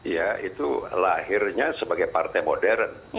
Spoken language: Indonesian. ya itu lahirnya sebagai partai modern